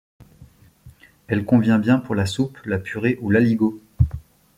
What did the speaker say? Elle convient bien pour la soupe, la purée ou l'aligot.